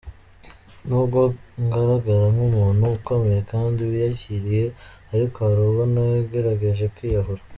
Nubwo ngaragara nk’umuntu ukomeye kandi wiyakiriye ariko hari ubwo nagerageje kwiyahura.